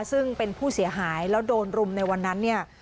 ซึ่งเป็นผู้เสียหายแล้วโดนรุมในวันนั้นเนี่ย